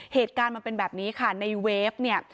เหตุการณ์มันเป็นแบบนี้ค่ะในเวฟเนี่ย